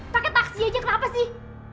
pakai taksi aja kenapa sih